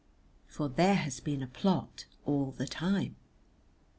For there has been a plot all the time.